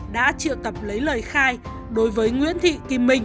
đã triệu tập lấy lời khai đối với nguyễn thị kim minh